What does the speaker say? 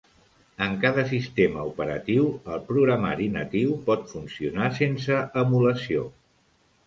En cada sistema operatiu, el programari natiu pot funcionar sense emulació.